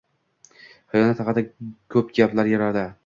Xiyonat haqida ko‘p gaplar yuradi